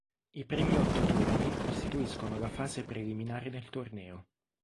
I primi otto turni costituiscono la fase preliminare del torneo.